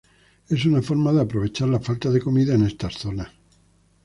Es una forma de aprovechar la falta de comida en estas zonas.